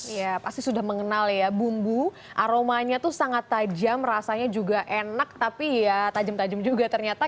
ya pasti sudah mengenal ya bumbu aromanya tuh sangat tajam rasanya juga enak tapi ya tajam tajam juga ternyata